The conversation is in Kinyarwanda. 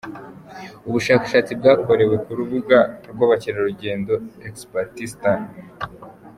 Ubu bushakashatsi bwakorewe ku rubuga rw’abakerarugendo, expatistan.